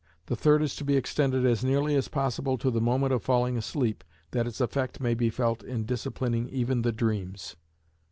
The third is to be extended as nearly as possible to the moment of falling asleep, that its effect may be felt in disciplining even the dreams.